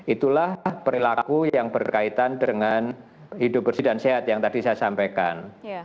itulah perilaku yang berkaitan dengan hidup bersih dan sehat yang tadi saya sampaikan